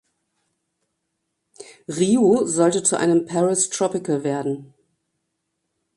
Rio sollte zu einem "Paris tropical" werden.